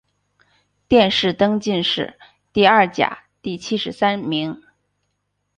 殿试登进士第二甲第七十三名。